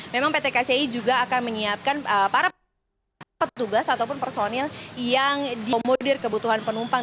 memang pt kci juga akan menyiapkan para petugas ataupun personil yang dimodir kebutuhan penumpang